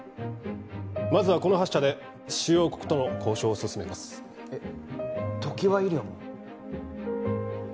まずはこの８社で主要国との交渉を進めますえっ常盤医療も？